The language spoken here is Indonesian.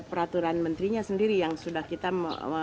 peraturan menterinya sendiri yang sudah berjalan dengan kemampuan lokal